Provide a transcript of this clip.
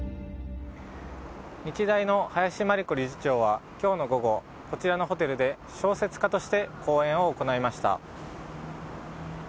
日大の林真理子理事長は今日の午後こちらのホテルで小説家として講演を行いました。